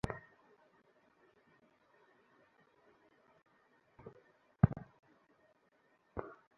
ঘরের মধ্যে এইরূপ অনাদর, ইহার পর আবার হাঁফ ছাড়িবার জায়গা ছিল না।